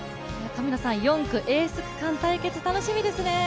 ４区、エース区間対決、楽しみですね。